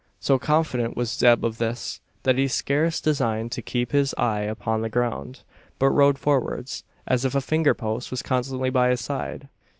So confident was Zeb of this, that he scarce deigned to keep his eye upon the ground; but rode forwards, as if a finger post was constantly by his side.